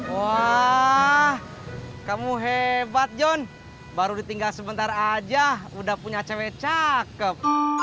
wah kamu hebat john baru ditinggal sebentar aja udah punya cewek cakep